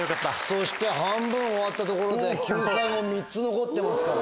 そして半分終わったところで救済も３つ残ってますから。